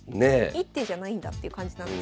一手じゃないんだっていう感じなんですけど。